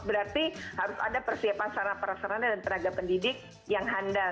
berarti harus ada persiapan sarana perasarana dan tenaga pendidik yang handal